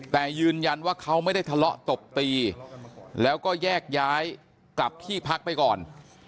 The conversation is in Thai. แต่ยืนยันว่าเขาไม่ได้ทะเลาะตบตีแล้วก็แยกย้ายกลับที่พักไปก่อน